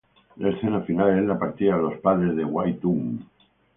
La escena final es la partida de los padres de Wai-tun.